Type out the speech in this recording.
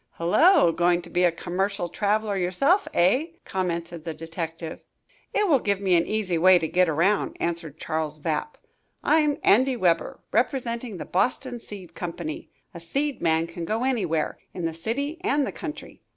"Hullo, going to be a commercial traveler yourself, eh?" commented the detective. "It will give me an easy way to get around," answered Charles Vapp. "I'm Andy Weber, representing the Boxton Seed Company. A seed man can go anywhere, in the city and the country.